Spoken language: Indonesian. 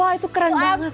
wah itu keren banget